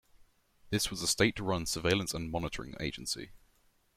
This was a state-run surveillance and monitoring agency.